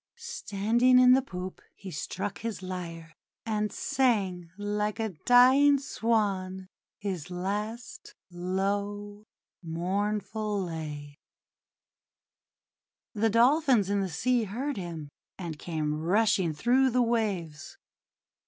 Standing in the poop, he struck ARION AND THE DOLPHIN 233 his lyre, and sang like a dying Swan his last, low, mournful lay. The Dolphins in the sea heard him, and came rushing through the waves.